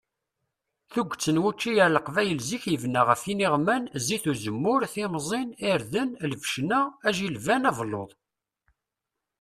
Tuget n wučči ar leqbayel zik yebna ɣef iniɣman, zit uzemmur, timẓin, irden, lbecna, ajilban, abelluḍ.